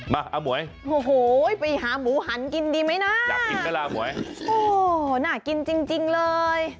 มาอ้าวหมวยโอ้โหไปหาหมูหันกินดีมั้ยนะอยากกินไปล่ะหมวยโอ้น่ากินจริงเลย